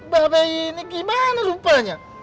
baabe ini gimana rupanya